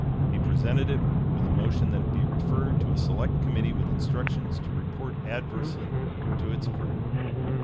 He presented it, with a motion that it be referred to a select committee with instructions to report adversely to its prayer.